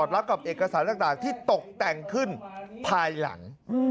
รับกับเอกสารต่างที่ตกแต่งขึ้นภายหลัง